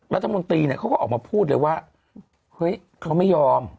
รัฐมนตรีเนี่ยเขาก็ออกมาพูดเลยว่าเฮ้ยเขาไม่ยอม